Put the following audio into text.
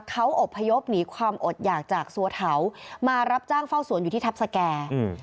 เขาอบพยพหนีความอดหยากจากสัวเถามารับจ้างเฝ้าสวนอยู่ที่ทัพสแก่อืม